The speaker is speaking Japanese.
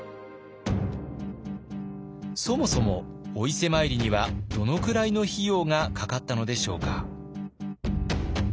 そもそもお伊勢参りにはどのくらいの費用がかかったのでしょうか。